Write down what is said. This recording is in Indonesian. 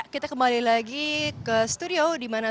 kita kembali lagi ke studio dimana